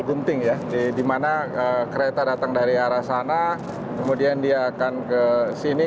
gunting ya dimana kereta datang dari arah sana kemudian dia akan ke sini